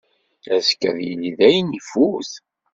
Azekka, ad yili dayen ifut.